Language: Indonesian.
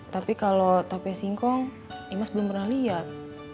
tapi kalau tape singkong imas belum pernah lihat